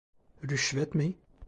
Rüşvet mi?